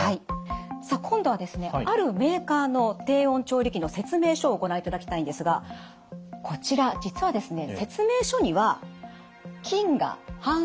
さあ今度はあるメーカーの低温調理器の説明書をご覧いただきたいんですがこちら実はですね